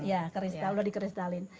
ya udah dikristalin